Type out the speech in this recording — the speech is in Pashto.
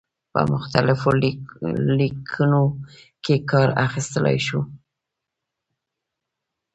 په مختلفو لیکنو کې کار اخیستلای شو.